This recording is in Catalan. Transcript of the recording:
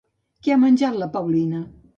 Què ha menjat la Paulina?